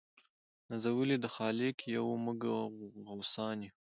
نازولي د خالق یو موږ غوثان یو